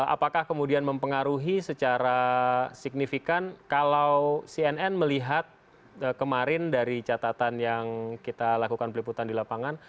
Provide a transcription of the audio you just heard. apakah kemudian mempengaruhi secara signifikan kalau cnn melihat kemarin dari catatan yang kita lakukan peliputan di lapangan